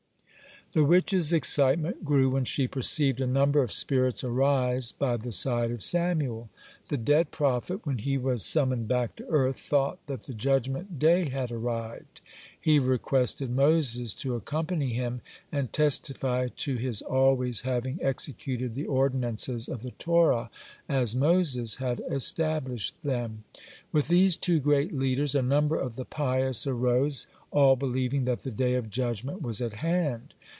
The witch's excitement grew when she perceived a number of spirits arise by the side of Samuel. The dead prophet, when he was summoned back to earth, thought that the judgement day had arrived. He requested Moses to accompany him and testify to his always having executed the ordinances of the Torah as Moses had established them. With these two great leaders a number of the pious arose, all believing that the day of judgment was at hand.